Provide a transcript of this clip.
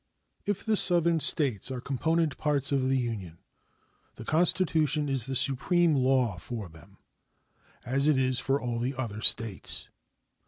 If the Southern States are component parts of the Union, the Constitution is the supreme law for them, as it is for all the other States.